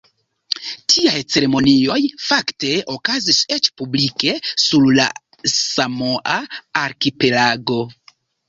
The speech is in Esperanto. Tiaj ceremonioj fakte okazis eĉ publike sur la Samoa-arkipelago.